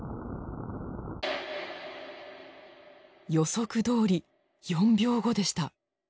予測どおり４秒後でした。